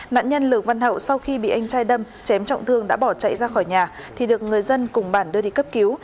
nạn nhân lường văn hậu sau khi bị anh trai đâm chém trọng thương đã bỏ chạy ra khỏi nhà thì được người dân cùng bản đưa đi cấp cứu